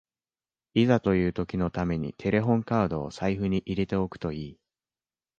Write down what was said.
いざという時のためにテレホンカードを財布に入れておくといい